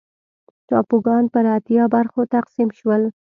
ټاپوګان پر اتیا برخو تقسیم شول.